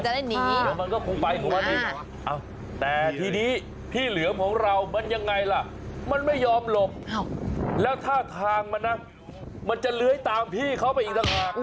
มันจะได้หนีแต่ทีนี้พี่เหลือมของเรามันยังไงล่ะมันไม่ยอมหลบแล้วท่าทางมันน่ะมันจะเลื้อยตามพี่เขาไปอีกทาง